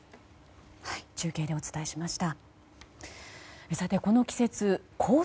中継でお伝えしました。